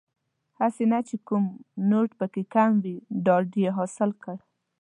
هسې نه چې کوم نوټ پکې کم وي ډاډ یې حاصل کړ.